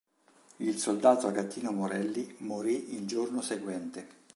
Il soldato Agatino Morelli morì il giorno seguente.